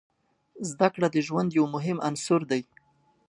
زده کړه د ژوند یو مهم عنصر دی.